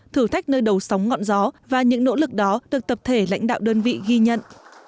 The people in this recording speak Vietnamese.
thử thách nơi đầu sóng ngọn gió và những nỗ lực đó được tập thể lãnh đạo đơn vị ghi nhận